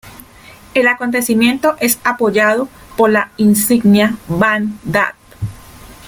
El acontecimiento es apoyado por la insignia Ban That.